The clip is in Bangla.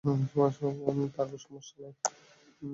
পারবো, সমস্যা নেই।